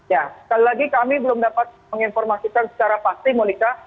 ya sekali lagi kami belum dapat menginformasikan secara pasti monika